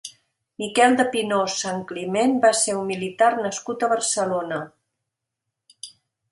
Miquel de Pinós-Santcliment va ser un militar nascut a Barcelona.